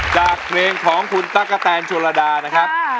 จากเพลงของคุณตั๊กกะแตนชนระดานะครับ